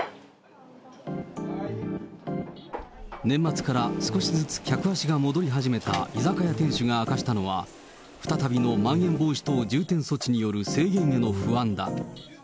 年末から少しずつ客足が戻り始めた居酒屋店主が明かしたのは、再びのまん延防止等重点措置による制限への不安だ。